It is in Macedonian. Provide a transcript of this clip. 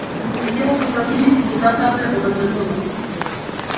Сетилото за мирис ѝ затапе од ацетонот.